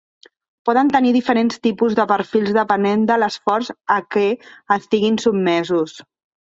Poden tenir diferents tipus de perfils depenent de l'esforç a què estiguin sotmesos.